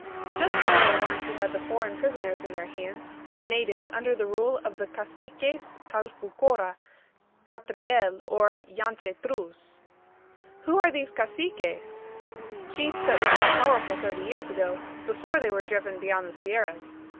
"Just the very ones who had the foreign prisoners in their hands, the natives under the rule of the Caciques Calfoucoura, Catriel, or Yanchetruz." "Who are these Caciques?" "Chiefs that were all powerful thirty years ago, before they were driven beyond the sierras.